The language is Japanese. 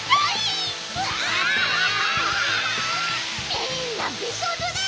みんなびしょぬれ！